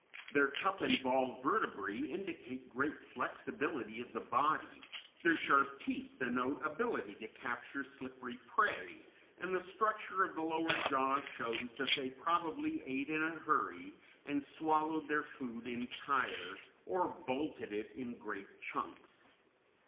Their cup and ball vertebræ indicate great flexibility of the body, their sharp teeth denote ability to capture slippery prey, and the structure of the lower jaw shows that they probably ate in a hurry and swallowed their food entire, or bolted it in great chunks.